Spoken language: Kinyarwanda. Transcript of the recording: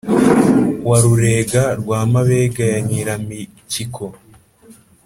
wa rurega rwa mabega ya nyiramikiko